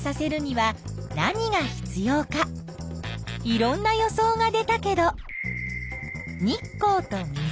いろんな予想が出たけど日光と水